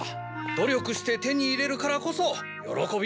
努力して手に入れるからこそ喜びも大きいんだ。